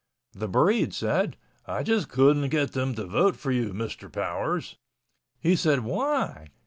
The breed said, "I just couldn't get them to vote for you, Mr. Powers." He said, "Why?"